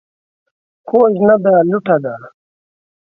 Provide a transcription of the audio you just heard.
کوږ نه دى ، لوټه ده.